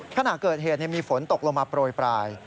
ขณะเกิดเหตุมีฝนตกลงมาโปรยปลาย